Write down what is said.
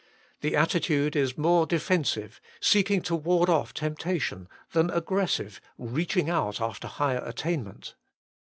The attitude is more defensive, seeking to ward off temptation, than aggressive, reaching out after higher attainment.